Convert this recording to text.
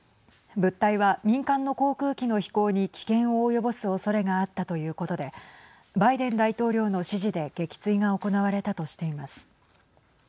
物体は民間の航空機の飛行に危険を及ぼすおそれがあったということでバイデン大統領の指示で撃墜が行われたとしています。